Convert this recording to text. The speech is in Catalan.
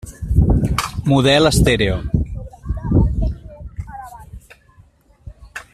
Model estèreo.